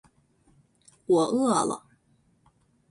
我饿了